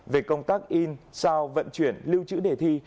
về công tác in sao vận chuyển lưu trữ đề thi